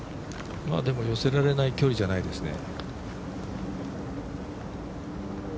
でも、寄せられない距離じゃないですね。